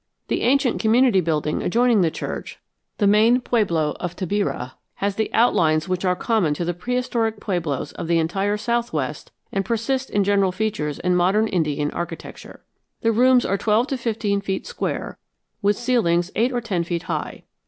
The ancient community building adjoining the church, the main pueblo of Tabirá, has the outlines which are common to the prehistoric pueblos of the entire southwest and persist in general features in modern Indian architecture. The rooms are twelve to fifteen feet square, with ceilings eight or ten feet high.